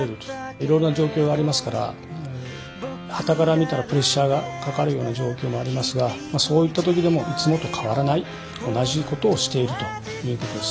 いろいろな状況がありますからはたから見たらプレッシャーがかかるような状況もありますがそういった時でもいつもと変わらない同じことをしているということです。